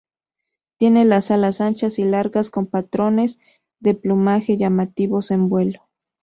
Tienen las alas anchas y largas, con patrones de plumaje llamativos en vuelo.